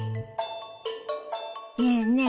ねえねえ